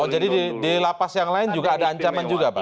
jadi di lapas yang lain juga ada ancaman juga pak